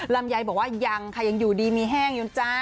ลำไยบอกว่ายังค่ะยังอยู่ดีมีแห้งอยู่จ้า